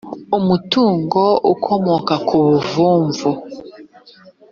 umutungo ukomoka ku buvumvu